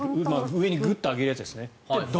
上にグッと上げるやつですね。